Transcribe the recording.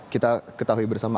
kita ketahui bersama